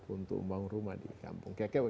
untuk membangun rumah di kampung